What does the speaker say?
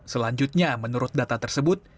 selanjutnya menurut data tersebut